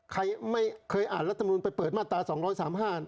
ใครไม่เคยอ่านรัฐมนุนไปเปิดมาตรา๒๓๕